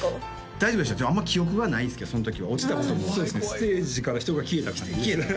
大丈夫でしたあんま記憶がないんすけどその時は落ちたこともステージから人が消えたって感じです